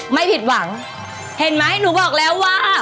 มาถึงจุดที่เด็ดแล้ว